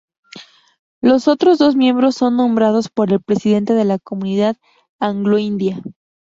Los otros dos miembros son nombrados por el presidente de la comunidad anglo-india.